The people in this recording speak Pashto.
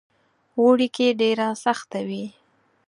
اوړي کې ډېره سخته وي.